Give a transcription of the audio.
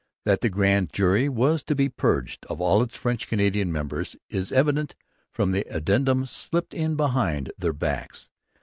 That the grand jury was to be purged of all its French Canadian members is evident from the addendum slipped in behind their backs.